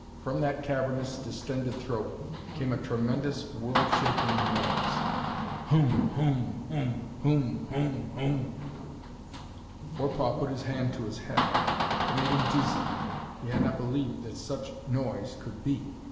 From that cavernous, distended throat came a tremendous, world shaking noise. "HOOM! HOOM! HOOM! HOOM! HOOM! HOOM!" Forepaugh put his hand to his head. It made him dizzy. He had not believed that such noise could be.